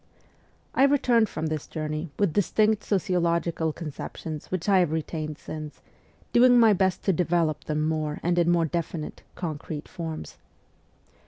I returned from this journey with distinct socio logical conceptions which I have retained since, doing my best to develop them in more and more definite, COD crete forms.